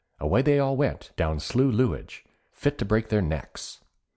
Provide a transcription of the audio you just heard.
Away they all went, down Slieu Lewaige, fit to break their necks.